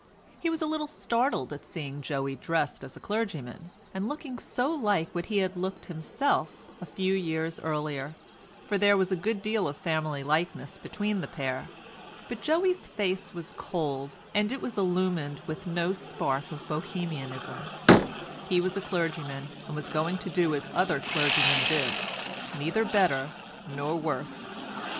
He was a little startled at seeing Joey dressed as a clergyman, and looking so like what he had looked himself a few years earlier, for there was a good deal of family likeness between the pair; but Joey's face was cold and was illumined with no spark of Bohemianism; he was a clergyman and was going to do as other clergymen did, neither better nor worse.